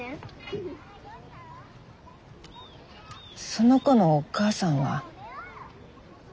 その子のお母さんは？